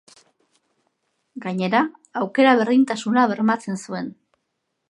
Gainera aukera berdintasuna bermatzen zuen.